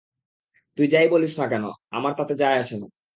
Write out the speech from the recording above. তুই যাই বলস না কেন, আমার তাতে যায় আসে না।